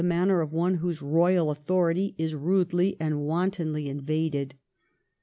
275 manner of one whose royal authority is rudely and wantonly invaded.